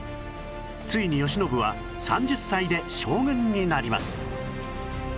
ついに慶喜は３０歳で将軍になります